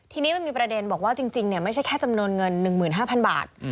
ทีนี้มันมีประเด็นบอกว่าจริงไม่ใช่แค่จำนวนเงิน๑๕๐๐บาท